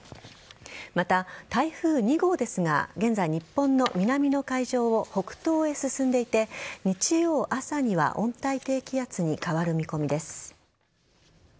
また、台風２号ですが現在、日本の南の海上を北東へ進んでいて日曜朝には温帯低気圧に変わる見込みです。